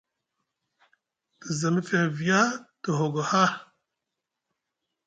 Te za mefeŋ via te hogo haa.